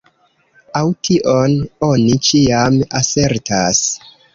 Aŭ tion oni ĉiam asertas.